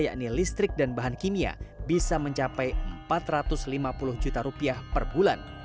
yakni listrik dan bahan kimia bisa mencapai empat ratus lima puluh juta rupiah per bulan